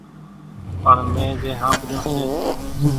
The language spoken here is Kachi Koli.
پڻ مين زين ۿانڀريون سي